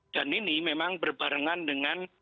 dan ini memang berbarengan dengan